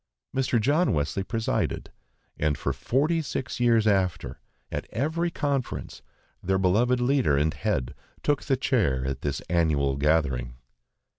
Mr. John Wesley presided, and for forty six years after, at every conference, their beloved leader and head took the chair at this annual gathering.